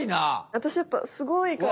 私やっぱすごいから！